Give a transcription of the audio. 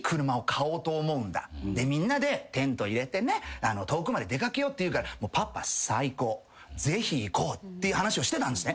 「でみんなでテント入れて遠くまで出掛けよう」と言うからパパ最高ぜひ行こうって話をしてたんですね。